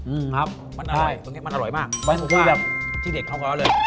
อืมครับมันอร่อยมันอร่อยมากที่เด็กเข้าเข้าแล้วเลย